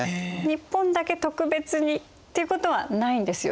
日本だけ特別にっていうことはないんですよね。